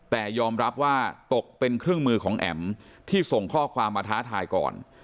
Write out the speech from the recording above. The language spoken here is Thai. แต่ยอมรับว่าตกเป็นเครื่องมือของแอ๋มที่ส่งข้อความมาท้าทายก่อน